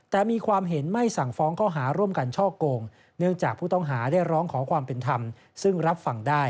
แต่มีความเห็นไม่สั่งฟ้องข้อหาร่วมกันช่อโกงเนื่องจากผู้ต้องหาได้ร้องขอความเป็นธรรมซึ่งรับฟังได้